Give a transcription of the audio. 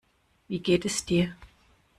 Wie geht es dir?